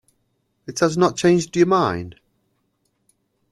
It has not changed your mind.